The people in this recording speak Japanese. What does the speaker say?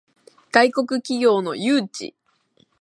外国企業の誘致